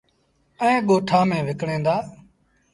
ائيٚݩ ڳوٚٺآن ميݩ وڪڻيٚن دآ۔